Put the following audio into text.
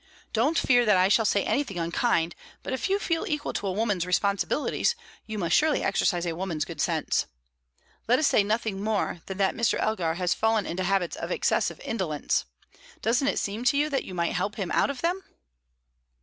Don't fear that I shall say anything unkind; but if you feel equal to a woman's responsibilities, you must surely exercise a woman's good sense. Let us say nothing more than that Mr. Elgar has fallen into habits of excessive indolence; doesn't it seem to you that you might help him out of them?"